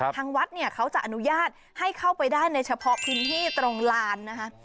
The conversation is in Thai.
ทางวัดเนี่ยเขาจะอนุญาตให้เข้าไปได้ในเฉพาะพื้นที่ตรงลานนะคะ